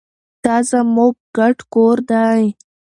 دا زموږ ګډ کور دی.